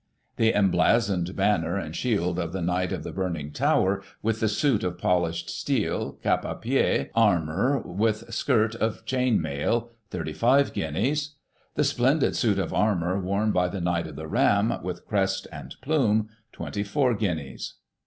The emblazoned banner and shield of the Knight of the Burning Tower, with the suit of polished steel, cap a pied armour, with skirt of chain mail, 35 guinesis. The splendid suit of armour worn by the Knight of the Ram, with crest and plume, 24 guineas.